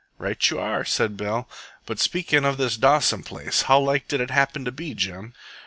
"Right you are," said Bill. "But speakin' of this Dawson place how like did it happen to be, Jim?"